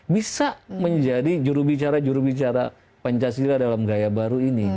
bisa menjadi jurubicara jurubicara pancasila dalam gaya baru ini